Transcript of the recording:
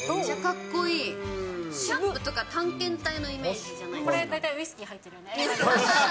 っていうか、キャンプとか探検隊のイメージじゃないですか？